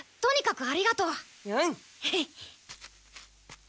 うん！